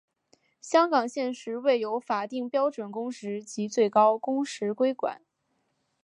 香港现时未有法定标准工时及最高工时规管。